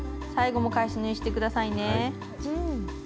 最後も返し縫いしてくださいね。